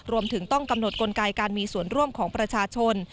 รวมถึงต้องกำหนดกลไกการมีส่วนร่วมของประชาชน